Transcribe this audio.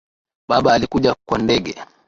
Baba alikuja kwa ndege